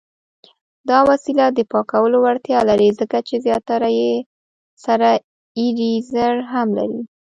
دا وسیله د پاکولو وړتیا لري، ځکه چې زیاتره یې سره ایریزر هم لري.